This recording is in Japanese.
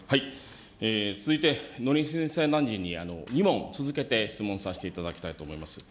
続いて農林水産大臣に、２問続けて質問させていただきたいと思います。